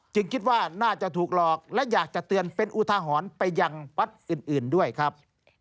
คิดว่าน่าจะถูกหลอกและอยากจะเตือนเป็นอุทหรณ์ไปยังวัดอื่นด้วยครับ